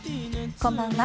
こんばんは。